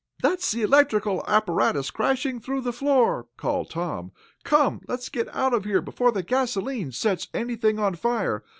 "That's the electrical apparatus smashing through the floor!" called Tom. "Come, let's get out of here before the gasolene sets anything on fire.